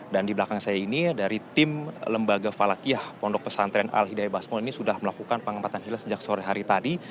dan di belakang saya ini dari tim lembaga falakiyah pondok pesantren al hidayah basmol ini sudah melakukan pengamatan hilal sejak sore hari tadi